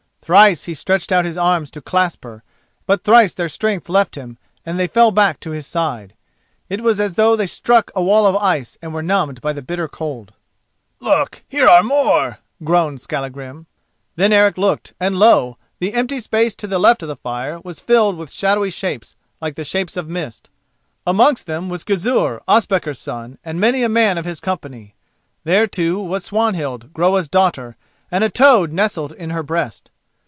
Thrice he stretched out his arms to clasp her, but thrice their strength left them and they fell back to his side. It was as though they struck a wall of ice and were numbed by the bitter cold. "Look, here are more," groaned Skallagrim. Then Eric looked, and lo! the empty space to the left of the fire was filled with shadowy shapes like shapes of mist. Amongst them was Gizur, Ospakar's son, and many a man of his company. There, too, was Swanhild, Groa's daughter, and a toad nestled in her breast.